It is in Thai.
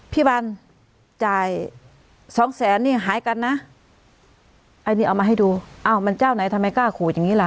บันจ่ายสองแสนนี่หายกันนะไอ้นี่เอามาให้ดูอ้าวมันเจ้าไหนทำไมกล้าขูดอย่างงี้ล่ะ